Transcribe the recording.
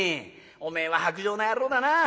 おめえは薄情な野郎だな。